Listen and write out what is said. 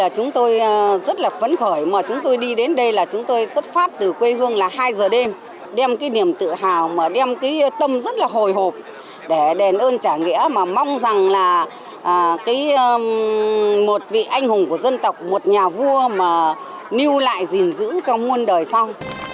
chúng tôi rất là phấn khởi mà chúng tôi đi đến đây là chúng tôi xuất phát từ quê hương là hai giờ đêm đem cái niềm tự hào mà đem cái tâm rất là hồi hộp để đền ơn trả nghĩa mà mong rằng là một vị anh hùng của dân tộc một nhà vua mà lưu lại gìn giữ trong muôn đời sau